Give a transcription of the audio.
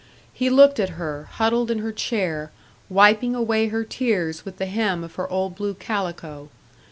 He looked at her, huddled in her chair, wiping away her tears with the hem of her old blue calico.